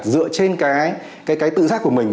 dựa trên cái tự giác của mình